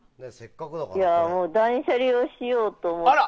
断捨離をしようと思って。